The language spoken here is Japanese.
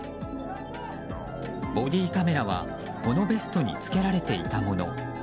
ボディーカメラはこのベストに着けられていたもの。